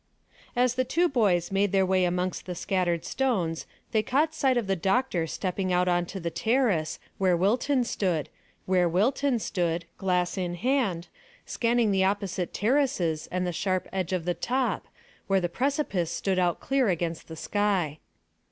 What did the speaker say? As the two boys made their way amongst the scattered stones they caught sight of the doctor stepping out on to the terrace where Wilton stood, glass in hand, scanning the opposite terraces and the sharp edge of the top, where the precipice stood out clear against the sky.